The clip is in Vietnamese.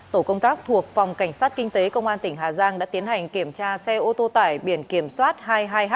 tổ công tác thuộc phòng cảnh sát kinh tế công an tỉnh hà giang đã tiến hành kiểm tra xe ô tô tải biển kiểm soát hai mươi hai h hai trăm hai mươi ba